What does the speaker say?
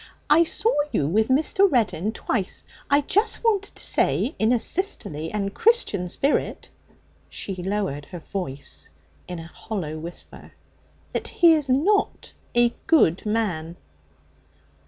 'I saw you with Mr. Reddin twice. I just wanted to say in a sisterly and Christian spirit' she lowered her voice to a hollow whisper 'that he is not a good man.'